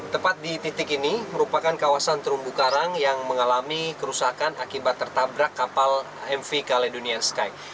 tepat di titik ini merupakan kawasan terumbu karang yang mengalami kerusakan akibat tertabrak kapal mv caledonian sky